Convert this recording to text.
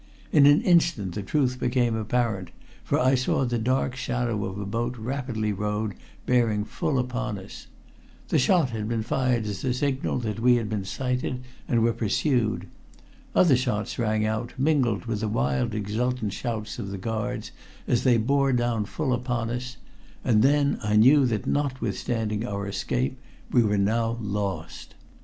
In an instant the truth became apparent, for I saw the dark shadow of a boat rapidly rowed, bearing full upon us. The shot had been fired as a signal that we had been sighted, and were pursued. Other shots rang out, mingled with the wild exultant shouts of the guards as they bore down full upon us, and then I knew that, notwithstanding our escape, we were now lost.